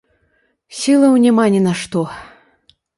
Сілаў няма ні на што.